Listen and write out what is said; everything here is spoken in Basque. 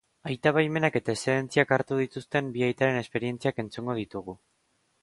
Aita baimenak eta eszedentziak hartu dituzten bi aitaren esperientziak entzungo ditugu.